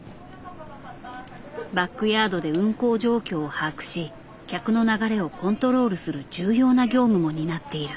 バックヤードで運航状況を把握し客の流れをコントロールする重要な業務も担っている。